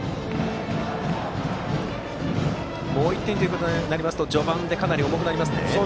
もう１点ということになりますと序盤でかなり重くなりますね。